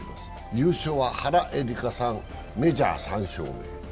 優勝は原英莉花さん、メジャー３勝目。